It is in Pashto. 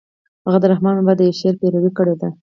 هغه د رحمن بابا د يوه شعر پيروي کړې ده.